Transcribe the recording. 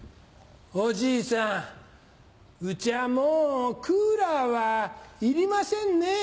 おじいさんうちはもうクーラーはいりませんね。